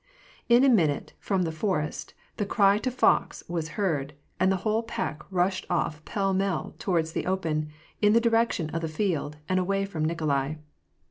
In a minute, from the forest, the cry to fox was heard ; and the whole pack rushed off pell mell toward the open, in the direction of the field, and away from Nikolai.